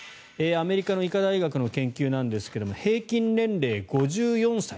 アメリカの医科大学の研究なんですが平均年齢５４歳。